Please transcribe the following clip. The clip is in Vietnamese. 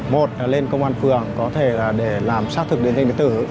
một là lên công an phường có thể làm xác thực định danh điện tử